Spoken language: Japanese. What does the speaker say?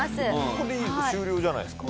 これで終了じゃないですか。